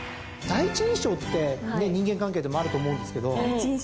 第一印象って人間関係でもあると思うんですけど。